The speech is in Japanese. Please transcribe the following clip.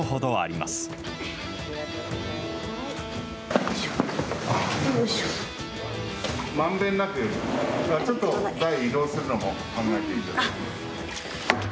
まんべんなく、ちょっと台を移動するのも考えて。